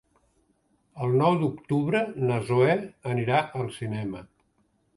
El nou d'octubre na Zoè anirà al cinema.